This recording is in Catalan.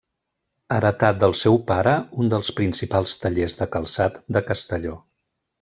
Heretà del seu pare un dels principals tallers de calçat de Castelló.